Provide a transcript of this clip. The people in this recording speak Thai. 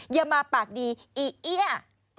อย่ามาปากดีอีเอี้ย